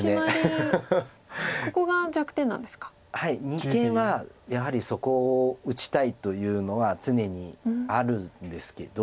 二間はやはりそこを打ちたいというのは常にあるんですけど。